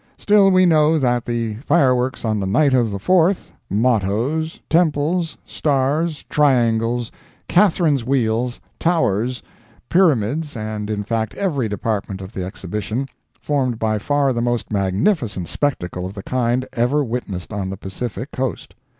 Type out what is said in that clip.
Still we know that the fireworks on the night of the Fourth, mottoes, temples, stars, triangles, Catherine wheels, towers, pyramids, and, in fact, every department of the exhibition, formed by far the most magnificent spectacle of the kind ever witnessed on the Pacific coast.